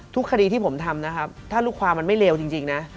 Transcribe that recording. คดีที่ผมทำนะครับถ้าลูกความมันไม่เลวจริงนะ